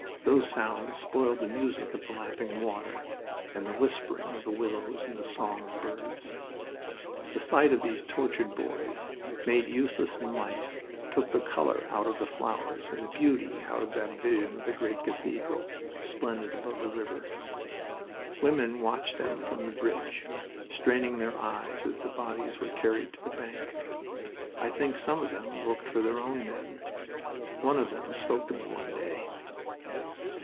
Those sounds spoiled the music of the lapping water and the whispering of the willows and the song of birds. The sight of these tortured boys, made useless in life, took the color out of the flowers and the beauty out of that vision of the great cathedral, splendid above the river. Women watched them from the bridge, straining their eyes as the bodies were carried to the bank. I think some of them looked for their own men. One of them spoke to me one day.